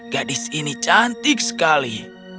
gadis ini cantik sekali